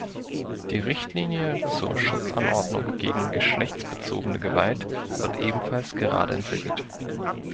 Die Richtlinie zur Schutzanordnung gegen geschlechtsbezogene Gewalt wird ebenfalls gerade entwickelt.